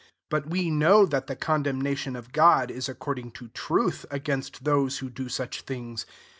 2 But we know that the condemnation of God is accord ing to truth, against those who do such things.